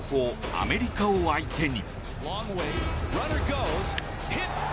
アメリカを相手に。